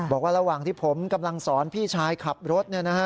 บอกว่าระหว่างที่ผมกำลังสอนพี่ชายขับรถ